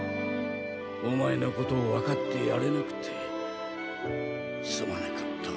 おまえのことをわかってやれなくてすまなかった。